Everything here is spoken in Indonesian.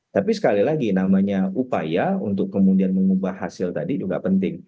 tapi sekali lagi namanya upaya untuk kemudian mengubah hasil tadi juga penting